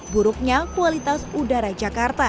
buruknya kualitas udara jakarta